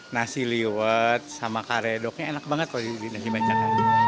nasi liwet sama karedoknya enak banget kalau di nasi bancakan